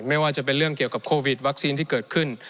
ไม่ว่าจะเป็นเรื่องเกี่ยวกับโควิดวัคซีนที่เกิดขึ้น